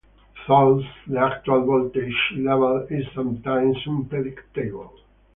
Thus, the actual voltage level is sometimes unpredictable.